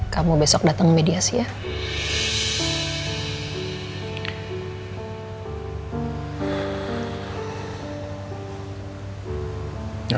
kamu besok dateng mediasi ya